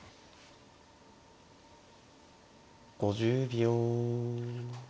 ５０秒。